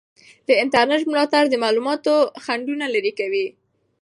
د انټرنیټ ملاتړ د معلوماتو خنډونه لرې کوي.